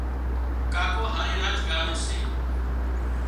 ڪاڪو هارِي راچ ڳاوي سي